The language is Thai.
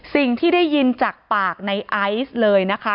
สิ่งที่ได้ยินจากปากในไอซ์เลยนะคะ